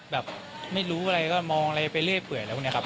แบบไม่รู้อะไรก็มองเรื่อยเผื่อยแล้วพวกนี้ครับ